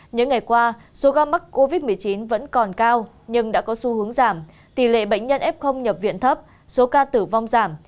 những ngày qua số ca mắc covid một mươi chín vẫn còn cao nhưng đã có xu hướng giảm tỷ lệ bệnh nhân f nhập viện thấp số ca tử vong giảm